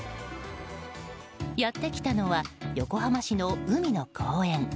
やってきたのは横浜市の海の公園。